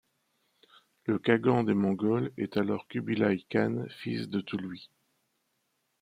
Le Khagan des Mongols est alors Kubilai Khan, fils de Tolui.